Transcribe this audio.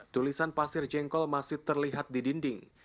tulisan pasir jengkol masih terlihat di dinding